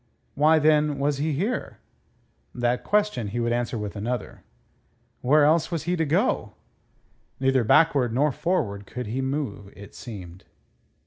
Why, then, was he here? That question he would answer with another: Where else was he to go? Neither backward nor forward could he move, it seemed.